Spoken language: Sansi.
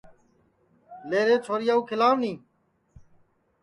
لے رے چھوریا کُو کھیلاو نی